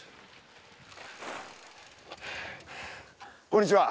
こんにちは！